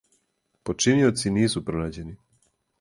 Починиоци нису пронађени.